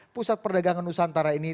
pusat perdagangan nusantara ini